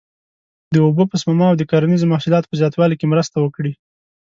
د اوبو په سپما او د کرنیزو محصولاتو په زیاتوالي کې مرسته وکړي.